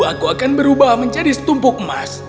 aku akan berubah menjadi setumpuk emas